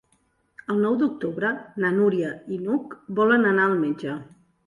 El nou d'octubre na Núria i n'Hug volen anar al metge.